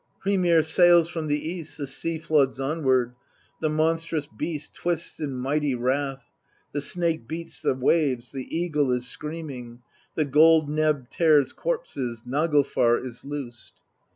Hrymr sails from the east, the sea floods onward; The monstrous Beast twists in mighty wrath; The Snake beats the waves, the Eagle is screaming; The gold neb tears corpses, Naglfar is loosed.